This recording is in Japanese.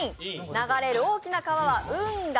流れる大きな川は「うんが」。